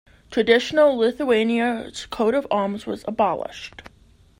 Traditional Lithuania's coat of arms was abolished.